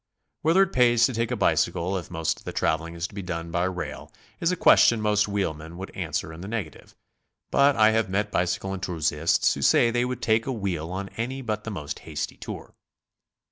Whether it pays to take a bicycle if most of the traveling is to be done by rail, is a question most wheelmen would answer in the negative, but I have met bicycle enthusiasts who say they would take a wheel on any but the most hasty tour.